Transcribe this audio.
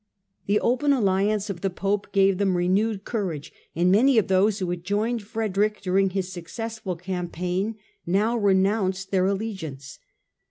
The open alliance of the Pope gave them renewed courage, and many of those who had joined Frederick during his successful campaign now renounced their allegiance.